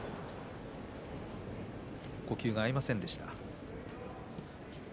呼吸が合いませんでした。